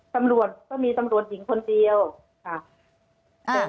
ตำรวจก็มีตำรวจหญิงคนเดียวค่ะ